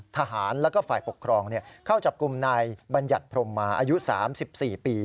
ทหารแล้วก็ฝ่ายปกครองเข้าจับกลุ่มนายบัญญัติพรมมาอายุ๓๔ปี